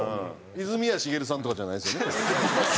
泉谷しげるさんとかじゃないですよね？